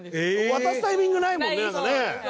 渡すタイミングないもんねなんかね。